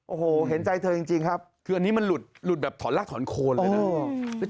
โอ้โหเห็นใจเธอจริงครับคืออันนี้มันหลุดแบบถอนรากถอนโคนเลยนะ